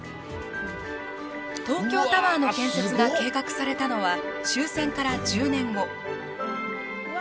東京タワーの建設が計画されたのは終戦から１０年後。